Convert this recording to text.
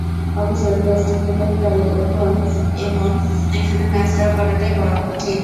অবশ্য টেস্ট ক্রিকেটটাই এখন এমন, এখানে ম্যাচ ড্র করাটাই বরং কঠিন।